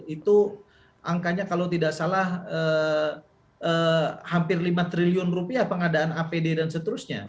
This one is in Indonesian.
itu angkanya kalau tidak salah hampir lima triliun rupiah pengadaan apd dan seterusnya